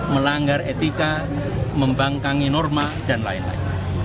melanggar etika membangkanggi norma dan lain lain